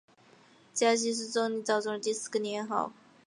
嘉熙是宋理宗赵昀的第四个年号。